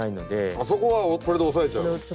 あっそこはこれで押さえちゃう。